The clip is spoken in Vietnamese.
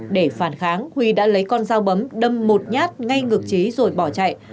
để phản kháng huy đã lấy con dao bấm đâm một nhát ngay ngược trí rồi bỏ chạy